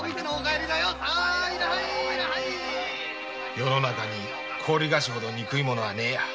世の中に高利貸しほど憎いものはねえや！